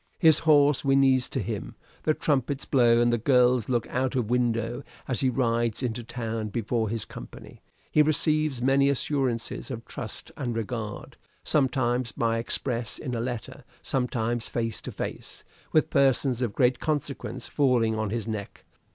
His horse whinnies to him; the trumpets blow and the girls look out of window as he rides into town before his company; he receives many assurances of trust and regard sometimes by express in a letter sometimes face to face, with persons of great consequence falling on his neck.